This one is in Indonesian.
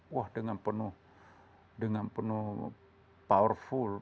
wah dengan penuh dengan penuh powerful